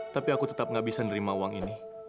tapi aku tetap gak bisa nerima uang ini